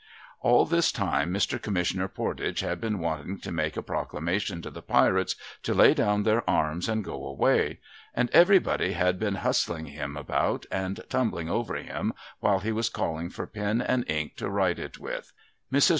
All tliis time, Mr. Commissioner Pordage had been wanting to make a Proclamation to the Pirates to lay down their arms and go away ; and everybody had been hustling him about and tumbling over him, while he was calling for pen and ink to write it with. Mrs.